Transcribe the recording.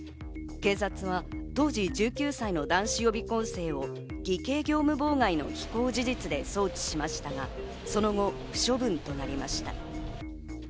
警察は当時１９歳の男子予備校生を偽計業務妨害の非行事実で送致しましたが、その後、不処分となりました。